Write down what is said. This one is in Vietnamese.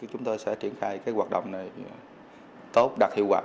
chúng tôi sẽ triển khai hoạt động này tốt đạt hiệu quả